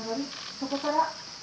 そこから。